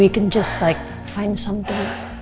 mungkin kita bisa cari sesuatu